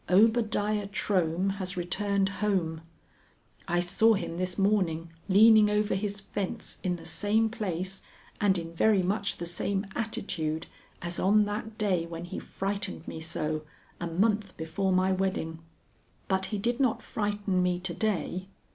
Obadiah Trohm has returned home. I saw him this morning leaning over his fence in the same place and in very much the same attitude as on that day when he frightened me so, a month before my wedding. But he did not frighten me to day.